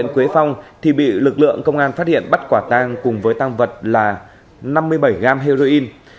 quế phong thì bị lực lượng công an phát hiện bắt quả tang cùng với tăng vật là năm mươi bảy gram heroin